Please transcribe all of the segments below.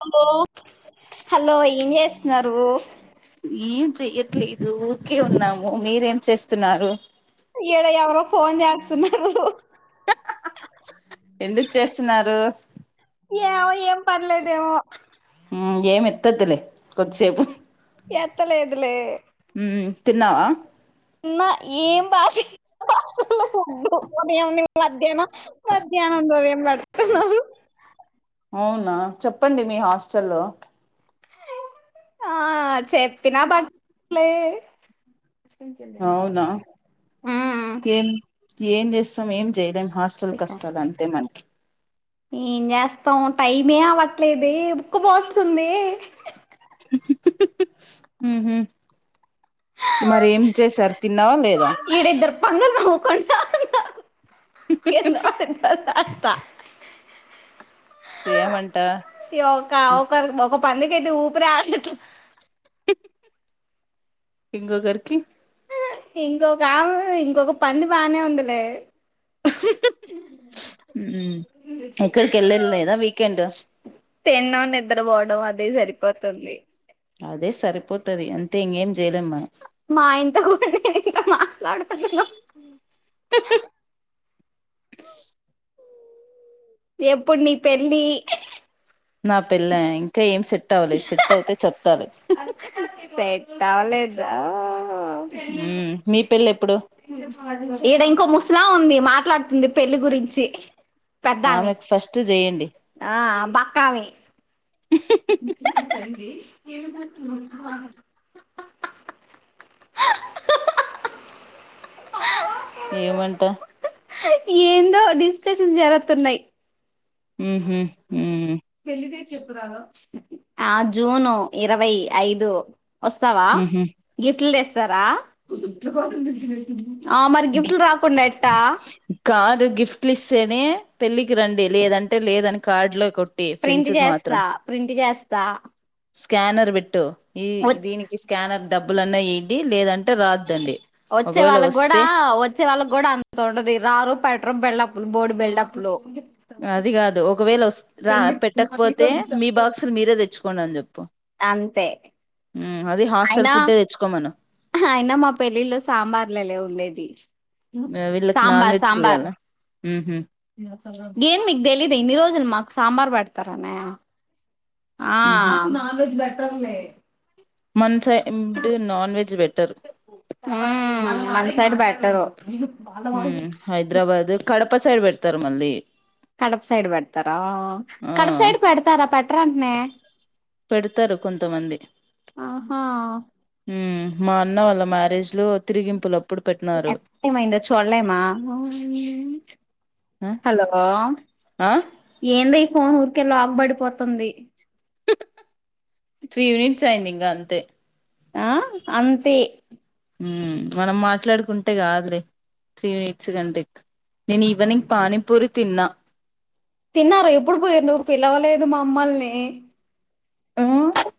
hello hello ఏం చేస్తున్నారు ఏం చెయ్యట్లేదు ఊరికే ఉన్నాము మీరేం చేస్తున్నారు ఇలా ఎవరు ఫోన్ చేస్తున్నారు ఎందుకు చేస్తున్నారు ఏవో ఏం పన్నలేదేమో ఏమి ఎంతదులే కొద్దిసేపు ఎత్తలేదులే హ్మ్ తిన్నావా ఉన్న ఏం భాష భాషల్లో ఫుడ్డు ఉదయం మధ్యాహ్నం మధ్యాహ్నంలో ఉదం నడుతున్నారు అవునా చెప్పండి మీ హాస్టల్ ఆ చెెప్పినా బట్టలే అవునా ఉమ్ ఏం ఏం చేస్తాం ఏం చేయలేం హాస్టల్ కష్టాలు అంతే మనకి ఏం చేస్తాం టైమే అవట్లేదు ఒక్క పోస్తుంది ఉ హ్మ్మ్ మరి ఏం చేసారు తిన్నావా లేదా అందరూ నవ్వుకుంట ఎంద అదో అత ఏమంట ఒక ఒకర్ మొగం పందుకతేఓపిరాడట్లే ఇంకొకరికి ఇంకొక ఇంకొక పంది బానే ఉందిలే హ్మ్ ఎక్కడికి వెళ్ళేది లేదా వీకెండ్ తిండం నిద్రపోవడం అదే సరిపోతుంది అదే సరిపోతది అంతే ఇంకేం చేయలేం మా ఇంత కూడా నేను ఇకా మాట్లాడుతును మనం ఎప్పుడు నీ పెళ్లి నా పెళ్ల ఇంకా ఏం సెట్ ట్ అవలేద్ సెట్ అవుతే చెప్తాలే సెట్ అవలేదా మీ పెళ్ళెప ఏడ ఇంకో ముస్ లా ఉంది మాట్లాడుతుంది పెళ్లి గురించి పెద్దామె ఆమెకు ఫస్ట్ చేయండి బక్కవే ఏమంట ఏందో డిస్కషన్ జరుగతన్నాయి ఉహు పెళ్ళిదే చెతురాలో ఆ జూను ఇరవై ఐదు వస్తావా ఊహూ గిఫ్ట్లుస్ తర కాదు గిఫ్ట్ ఇస్తేనే పెళ్ళికి రండి లేదంటే లేదని కార్డులో కొ ప్రింట్ చేస్తా ప్రింట్ చేస్ దా స్కనర్ పేట్టు ఈ దీనికి స్కానర్ డబ్బులున్నా వడి లేదంటే రాద్దండి వచ్చే ఒకవేళ వాళ్ళకి కూడా వస్తే వచ్చే వాళ్ళకి కూడా అంత ఉండదు రారూ పట బల్ళప్లు బోర్డు బల్డప్లు అది కాదు ఒకవేళ ఓస్ రా పెట్టకపోతే మీ బాక్స్లు మీరే తెచ్చుకో కొన్ అని చెప్పు అంతే హ్మ్ అది హాస్టల్ అయినా ఫుడ్డే తెచ్చుకోమను అయినా మా పెళ్ళిళ్ళ సాంబార్లులే ఉండేది సాంబార్ సాంబార్ ఉహ ఏన్ మీకు తెలీదు ఇన్ని రోజులు మాకు సాంబార్ పెడతారనీ ఆ న్నా మనస్సైద్ నాన్ వెజ్ బెటర్ మన సైడ్ పెట్టరు ఉ హైదరాబాద్ కడప ప్ప సైడ్ పెడతారు మళ్ళీ కడప సైడ్ పెడతారా ఆ కడప సైడ్ పెడతారా పెట్ట్రాంటనే పెడతారు కొంతమంది ఆహా ఉమ్ మా అన్న వాళ్ళ మ్యారేజ్ లో తిరిగింపుల ఆ హలో ఆ ఏంది ఫోన్ ఊరికే లాక్ బడిపోతుంది త్రీ యూనిట్స్ అయింది ఇంగ అంతే ఆ అంతే హు మనం మాట్లాడుకుంటే కాదు రే త్రీ మినిట్స్ కంటే నేను ఈవెనింగ్ పానీపూరి తిన్నా తిన్నార ఎప్పుడు పొఇండ్రు పిలవలేదు మమ్మల్ని ని ఆ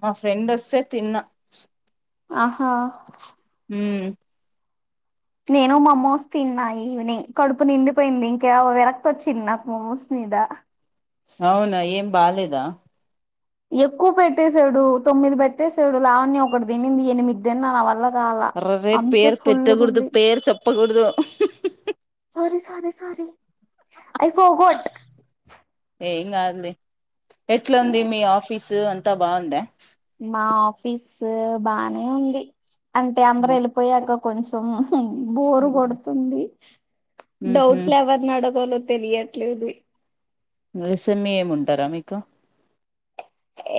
మా ఫ్రెండ్ వస్తే తిన్నా ఆహా హుమ్ నేను మమోస్ తిన్నాయి ఈనింగ్ కడుపు నిండిపోయింది ఇంకా విరక్త వచ్చింది నాకు మమోస్ మీద అవునా ఏం బాలేేదా ఎక్కువ పెట్టేసాడు తొమ్మిది పెట్టేసాడు లావన్య ఒకటి తినింది ఎనిమిది తిన్నా న వల్ల కాల అర రే అందుకే పేరు పెట్టకూడదు ఫుల్లుగుంది పేరు చెప్ ప్పకూడదు sorry sorry sorry I forgot ఎం కాదు లే ఎట్లుది మీ ఆఫీసు అం త బాగుంద ఫీస్ బానే ఉంది అంటే అందరు ఎళ్ళిపోయాక కొంచం బోరు కొడుతుంది ఉహు డౌట్లు ఎవరిని అడగలో తెలియట్లేదు ఎసేమ్మి ఏముంటారా మీకు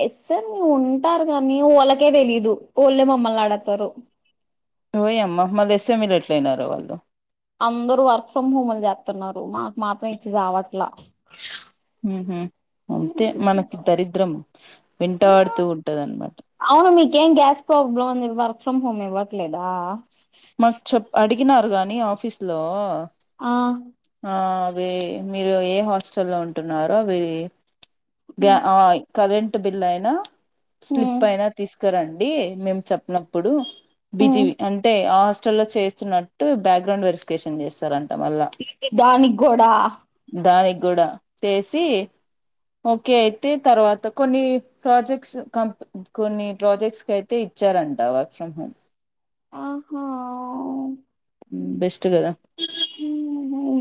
ఎస్ఎమ్ ఉంటారు కానీ వాళ్ళకే తెలీదు వాళ్ళే మమ్మల్ని ఆడుగుతారు ఓయమ్మ మళ్ళ ఎస్ఎంఈలు ఎట్లు అయినారో వాళ్ళు అందరు వర్క్ ఫ్రమ్ హోమ్లు చేస్తున్నారు మాకు మాత్రం ఇచ్చి చవట్లా మ్ హు అంతే మనకి దరిద్రం వెంటాడుతూ ఉంటదన్నమాట ఇంకేం గ్యాస్ ప్రాబ్లమ్ ఉంది వర్క్ ఫ్రమ్ హోమ్ ఇవ్వట్లేదా మాకు చెప్ అడిగినారు గాని ఆఫీస్ లో ఆ ఆ అవి మీరు ఏ హాస్టల్ల్లో ఉంటున్నారో అవి గ ఆ కరెంట్ బిలైనా స్లిప్ అయినా తీస్ కారండి మేము చెప్పినప్పుడు బిజివీ అంటే హాస్టల్లో చేస్తున్నట్టు బ్యాక్గ్రౌండ్ వెరిఫికేషన్ చేస్తారం దానిగ్గుడా గ్గుడా చేసి ఓకే అయితే తర్వాత కొన్ని ప్రాజెక్ట్స్ క కొన్ని ప్రాజెక్ట్స్ కైతే ఇచ్చారంట వర్క్ ఫ్రమ్ హోమ్ ఆహో బెస్ట్ గ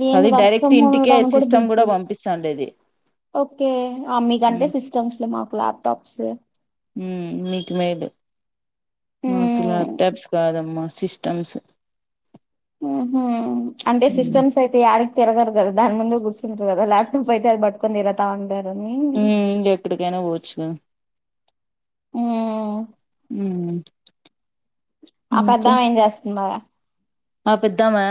ఏ వర్క్ ఫమ్ ఇంటికే ఇవ్వడానికి కూడా సిస్టమ్ బిజీ పంపిస్తాండేది ఓకే మీకంటే ఉమ్ సిస్టమ్స్ లో మాకు ల్యాప్టాప్స్ హ్మ్మ్ మీకు మీేదు మాకు ల్యాప్టాప్స్ కాదమ్మా సిస్టమ్స్ హ్మ్మ్ అంటే మ్మ్ సిస్టమ్స్ అయితే డి తిరగరు కదా ముందు కూర్చుంటారు కదాట్ ప్ అయితే అది బట్కొ ఇరతా అంంది ఎక్కడికైనా పోవచ్చుగా ఆ హ్మ్మ్ ఆ పెద్దావ ఏం చేస్తుంది బాగాా ఆ పెద్దామా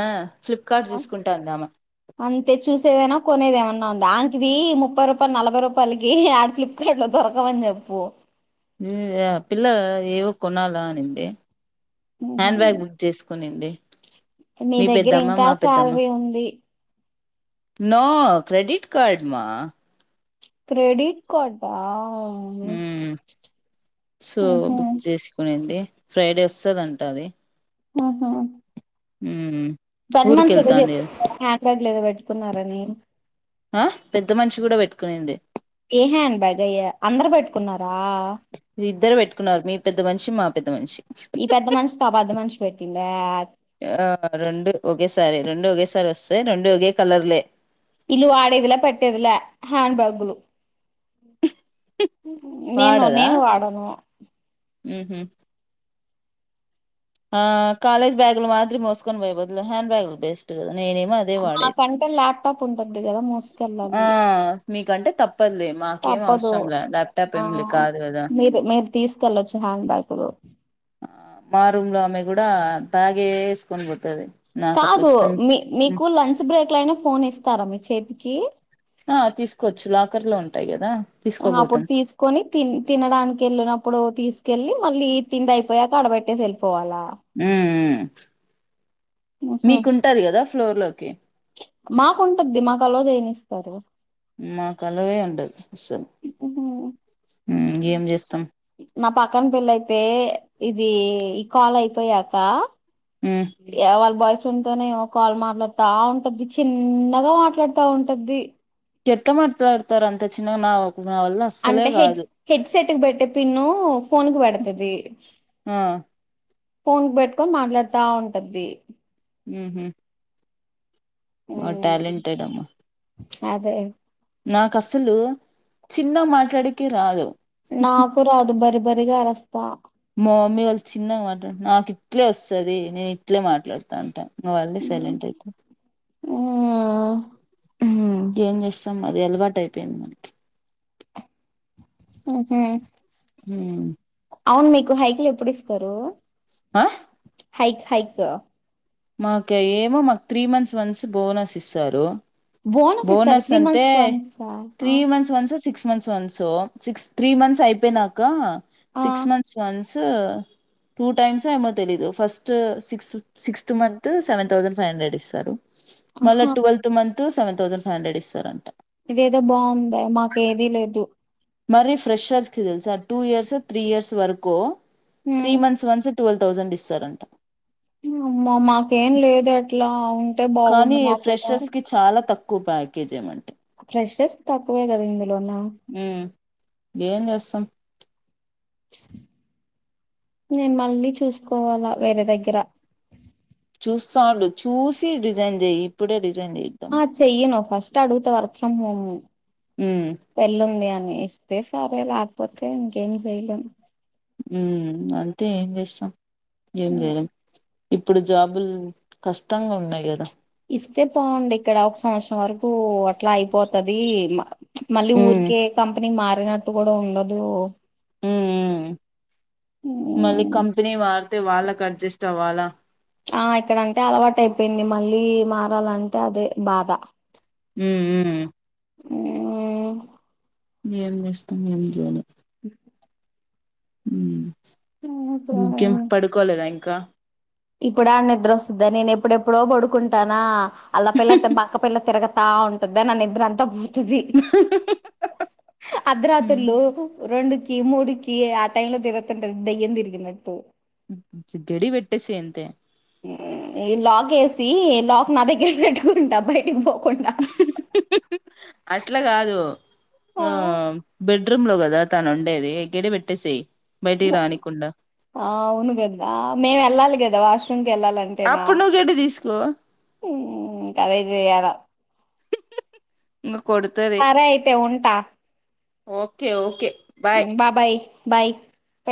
అంతే చూసేదేనా కొనేదేమన్నా ఉ దానికిది ముప్పై రూపాయలు నలభై రూపాయలకి ఆడ ఫ్లిప్కార్ట్ లో దొరకమని చెప్పు పిల్ల ఏవో కొనాలా అనింది హ్యాండ్ బ్యాగ్ బుక్ చేసుకునిండి మీ దగ్గర ఇంకా పెద్దమ్మ సాలరీ ఉంది నో క్రెడిట్ కార్డు మా క్రెడిట్ కార్డ్ హ్మ్మ్ సో బుక్ చేసుకునిడి ఫ్రైడే వస్తుదంట అది ఆహా హ్మ్మ్ పనీ మనిషి ఎద చెప్ప ఆట్లాట్లేదు బట్టి చెప్తున్నారని ఆ పెద్ద మనిషి కూడా పెట్టుకునింది ఏ హ్యాండ్ బ్యాగ్ అయ్యా అందరు పెట్టుకున్నారు మీరు ఇద్దరు పెట్టుకున్నారు మీ పెద్ద మషి మా పెద్ద మనిషి ఈ పెద్ద మనిషికి ఆ పెద్ద మనిషి పెట్టిందా ఆ రెండు ఒకేసారి రెండు ఒకేసారి స వస్ రెడు వగే కలర్లే ఇలు వాడేదుల పట్టేదులే హ్యాండ్ బేగలు నేను నేను వాడను ఉ ఉ ఆ కాలేజ్ బ్యాగులు మాత్ర మోస్కొ పోయ బద్దులు హ్యాండ్ బ్యాగులు బేస్ట్ మా కంటల్ లాప్ టాప్ ఉంటది ఆ మీకంటే చెప్పంది మాకే తప్పదు అవసరం ల్యాప్టాప్ ఆ ఏమి లే కాదు కదా మీరు మీరు తీసుకెళ్ళొచ్చు హ్యాండ్ బ్యాగులు మా రూమ్ లో ఆమె కూడా బగే వేస్కొ బతుది కాదు మీ మీకు లంచ్ బ్రేక్ లోయినా ఫోన్ ఇస్తారా మీ చేతికి ఆ తీసుకోవచ్చు లాకర్ లో ఉంటాయి కదా అప్పుడు తీసుకోపోతాం తీసుకొని త తినడానికి వెళ్ళినప్పుడు తీసుకెళ్ళి మళ్ళ తిండి అయిపోయా కాడబట్టే సెలు పోవాల ఉ మీకుంటది కదా ఫ్లోర్ లో ఓకే మాకుంటది మాకు అలో చేయనిస్తారు ఉ కలవే ఉడు ఏం చేస్తాం నా పక్కన పెళ్ళ అయితే ఇది ఈ కాల్ అయిపోయాక హ్మ్ అవల్ బయస్ తనే ఏమో కాలు మాట్లాడుతా ఉంటది చిన్నగా మాట్లాడుతా ఉంటది చెట్లా మాట్లాడుతు అంటే హెడ్ కాదు హెడ్ సెట్ క పెట్టే పిన్న ఫోన్ క పెడతుది ఆ ఫోన్ క పెట్టుకొని మాట్లాడుతా ఉంటది ఆ బ ఉమ్ టెాలంంటెడ్ మా అదే నాకు అసలు చిన్న మాట్లాడికి రాదు నాకు రా అదు బరి బరిగా రస్తా మా మమ్మీ వాళ్ళు చిన్నగా మాట్లాడుత నాకు ఇట్లే వస్తుంది నేను ఇట్లే మాట్లాడుతా ఉంటాను వాళ్ళే సైలెంట్ అయితే ఆ ఏం చేస్తాం అది అలవాటు అయిపోయింది మనకి ఉహు ఊమ్ అవును మీకు హైకిలు ఎప్పుడు ఇస్తారు అ హైక్ హైక్ మాకా ఏమో మాకు త్రీ మంత్స్ వన్స్ బోనస్ ఇస్తారు బోనస్ ఇస్తారా త్రీ మంత్స్ వన్సా త్రీ మంత్స్ వన్సో six months once six three months అయిపోయినాకా ఆ సిక్స్ మంత్స్ వన్స్ టా టైమ్స్ ఏమో తెలీదు first six sixth month seven thousand five hundred ఇస్తారు మళ్ళ ఆహా twelfth month seven thousand five hundred ఇస్తారంట ఇదేదో బాగుందే మాకు ఏదీ లేదు మరీ ఫ్రెషర్స్ కి తెలుసా టూ ఇయర్స్ త్రీ ఇయర్స్ వరకూ త్రీ మ్మ్ మంత్స్ వన్స్ ట్వెల్వ్ థౌజండ్ ఇస్తారంట అమ్మా మాకేం లేదే అట్లా అవు కానీ ఫ్రెషర్స్ కి చాలా త కు ప్యాకేజ్ ఏమన్ ఫ్రెషర్స్ తక్కువే ఇంగ లోనా ఉమ్ ఏం చేస్తాం నేను మళ్ళీ చూసుకోవాలా వేరే దగ్గర ఉస్సా ఉండు చూసి రిజైన్ జెయ్యి ఇప్పుడే రిజ్ ఆ చెయ్యి నువ్ ఫస్ట్ ట అడుగుత వర్క్ ఫ్రమ్ హోము ఉమ్ పెళ్ళుంది అని ఇస్తే సరే లాకపోతే ఇంకేం చేయలేం ఊ అంతే ఏం చేస్తాం ఏం మ్మ్ జేయలేం ఇప్పుడు జాబులు కష్టంగా ఉన్నాయి గదా ఇస్తే బావుండు ఇక్కడ ఒక సంవత్సరం వరకూ అట్లా అయిపోతదీ మా మళ్ళీ ఉమ్ ఊర్కే కంపెనీ మా పోయినట్టు గూడా ఉండదు మళ్ళి మ్, కంపినీ వార్ తే వాళ్ళక్ అడ్జెస్ట్ అవ్వాలా ఆ ఇక్కడంటే అలవాటు అయిపోయింది మళ్ళీ మారాలంటే అదే బాధ ఊఊ ఆ ఏం చేస్తాం ఏం చేయాలి ఉ ఉ ఇంకేం పడుకోలేదా ఇంకా ఇప్పుడ ఆ నిద్ర వస్తుందా నేను ఎప్పుడెప్పుడో పడుకుంటానా అలా పల్ల బా పల్ల త తెరగ ఆ ఉంటుది నన్న ఇద్ద్ర అంతా ఉమ్ అర్ధరాత్రులు రెండుకి మూడుకి ఆ టైంలో తిరుగుతుంటది దయ్యం తిరిగినట్టు గడి పెట్టేసేయ్ అంతే ఈ లాక్ వేసి ఈ లాక్ నా దగ్గర పెట్టుకుంటా బయ టికీ పోకుండా అట్ల కాదు ఆ బెడ్ బ్రూమ్ లో కదా తను ఉండేది గడి పెట్టేసేయ్ బయటికి రానికుండా ఆ అవును కదా మేము వెళ్ళాలి కదా వాష్రూమ్ కెళ్ళాలంటేనా అప్పుడు నువ్వు గడ్డి తీసుకో అరే చేయాల ఉ సరే అయితే ఉంటా ఓకే ఓకే బాయ్ బాబాయ్ బైయ్